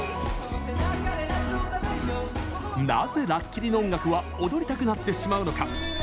なぜ、ラッキリの音楽は踊りたくなってしまうのか。